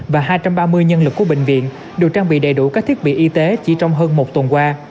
và hai trăm ba mươi nhân lực của bệnh viện được trang bị đầy đủ các thiết bị y tế chỉ trong hơn một tuần qua